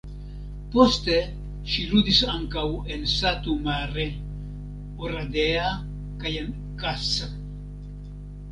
Poste ŝi ludis ankaŭ en Satu Mare, Oradea kaj en Kassa.